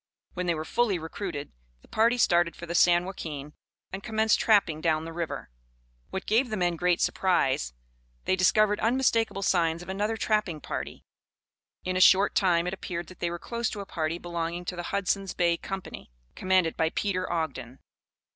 When they were fully recruited, the party started for the San Joaquin, and commenced trapping down the river. What gave the men great surprise, they discovered unmistakable signs of another trapping party. In a short time it appeared that they were close to a party belonging to the Hudson's Bay Company, commanded by Peter Ogden.